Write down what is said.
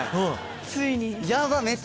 ついに。